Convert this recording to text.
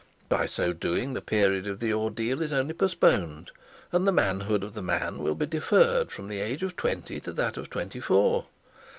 By so doing, the period of the ordeal is only postponed, and the manhood of the man will be deferred from the age of twenty to that of twenty four.